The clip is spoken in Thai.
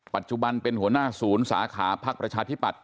ปัจจุบันเป็นหัวหน้าศูนย์สาขาพักประชาธิปัตย